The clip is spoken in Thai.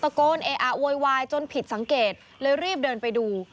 โกนเออะโวยวายจนผิดสังเกตเลยรีบเดินไปดู